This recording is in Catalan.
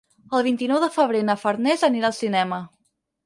El vint-i-nou de febrer na Farners anirà al cinema.